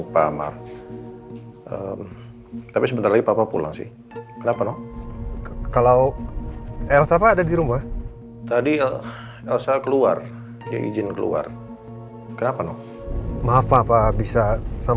pada hari ini dua belas bulan sebelumnya ramadhan sekitar